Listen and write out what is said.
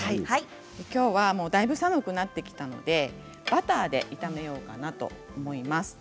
きょうは、だいぶ寒くなってきたのでバターで炒めようかなと思います。